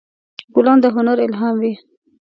ګلان د هنر الهام وي.